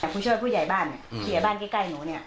แต่ผู้ช่วยผู้ใหญ่บ้านผู้ใหญ่บ้านใกล้หนูเนี่ย